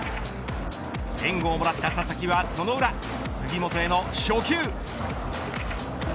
援護をもらった佐々木はその裏杉本への初球。